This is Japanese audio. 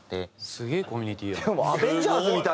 すげえコミュニティーやな。